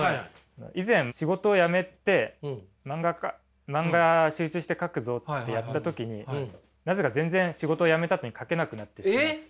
以前仕事を辞めて漫画集中して描くぞってやった時になぜか全然仕事を辞めたあとに描けなくなってしまって。